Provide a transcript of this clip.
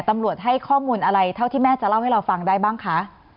ตำรวจให้ข้อมูลอะไรเท่าที่แม่จะเล่าให้เราฟังได้บ้างคะ